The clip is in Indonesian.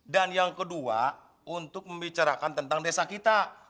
dan yang kedua untuk membicarakan tentang desa kita